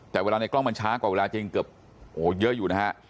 แต่เวลาในกล้องมันช้ากว่าเวลาจริงเกือบโอ้โหเยอะอยู่นะฮะ